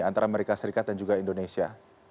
antara amerika serikat dan juga indonesia